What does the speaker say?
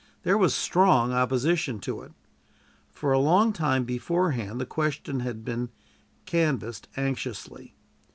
There was strong opposition to it. For a long time beforehand the question had been canvassed anxiously.